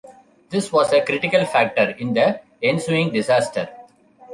This was a critical factor in the ensuing disaster.